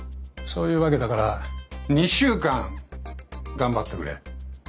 そういうわけだから２週間頑張ってくれ。